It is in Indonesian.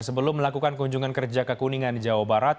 sebelum melakukan kunjungan kerja kekuningan di jawa barat